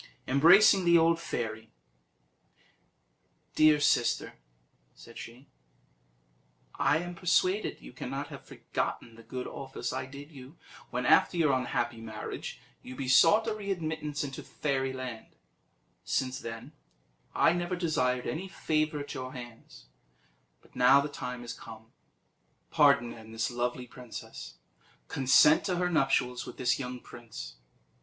Embracing the old fairy, "Dear sister," said she, "I am persuaded you cannot have forgotten the good office I did you when, after your unhappy marriage, you besought a readmittance into Fairyland; since then I never desired any favour at your hands, but now the time is come. Pardon, then, this lovely princess; consent to her nuptials with this young prince.